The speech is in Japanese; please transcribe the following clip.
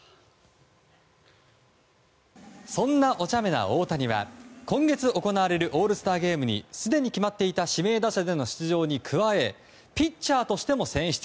そんなおちゃめな大谷は今月行われるオールスターゲームにすでに決まっていた指名打者での出場に加えピッチャーとしても選出。